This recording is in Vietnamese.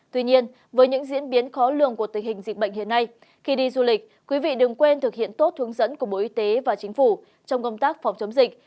tuy nhiên với những diễn biến khó lường của tình hình dịch bệnh hiện nay khi đi du lịch quý vị đừng quên thực hiện tốt hướng dẫn của bộ y tế và chính phủ trong công tác phòng chống dịch